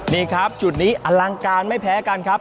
นี่ครับจุดนี้อลังการไม่แพ้กันครับ